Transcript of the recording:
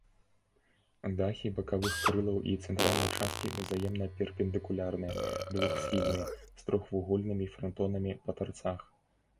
Дахі бакавых крылаў і цэнтральнай часткі ўзаемна перпендыкулярныя, двухсхільныя, з трохвугольнымі франтонамі па тарцах.